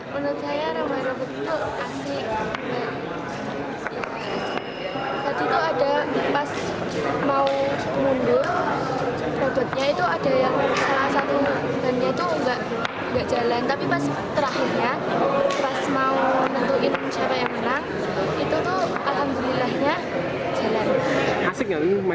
pertanyaan dari pemain robot sokor di smp mbak mbak mbak